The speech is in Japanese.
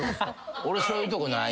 俺そういうとこない。